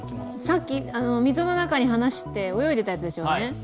さっき、溝の中に放して泳いでたんですよね。